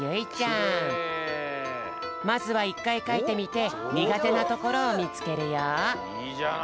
まずはいっかいかいてみてにがてなところをみつけるよ。